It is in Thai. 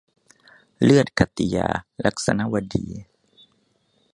เลือดขัตติยา - ลักษณวดี